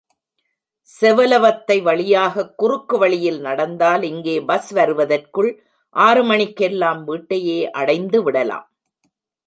செவலவத்தை வழியாகக் குறுக்கு வழியில் நடந்தால், இங்கே பஸ் வருவதற்குள், ஆறு மணிக்கெல்லாம் வீட்டையே அடைந்து விடலாம்.